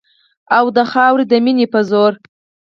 او د خاورې د مینې په زور